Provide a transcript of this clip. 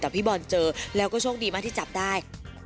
แต่พี่บอลเจอแล้วก็โชคดีมากที่จับได้